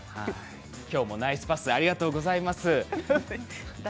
今日もナイスパスありがとうございます。